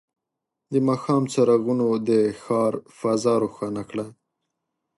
د ماښام څراغونه د ښار فضا روښانه کړه.